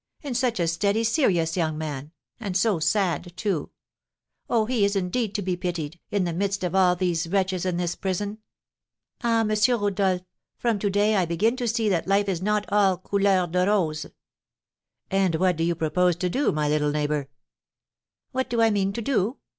And such a steady, serious young man; and so sad, too! Oh, he is indeed to be pitied, in the midst of all these wretches in his prison! Ah, M. Rodolph, from to day I begin to see that life is not all couleur de rose." "And what do you propose to do, my little neighbour?" "What do I mean to do?